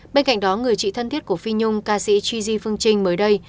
bên cạnh đó người chị thân thiết của phi nhung ca sĩ ji phương trinh mới đây